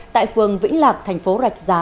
tại phường vĩnh lạc thành phố rạch giá